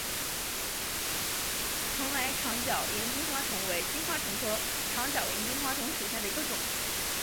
蓬莱长脚萤金花虫为金花虫科长脚萤金花虫属下的一个种。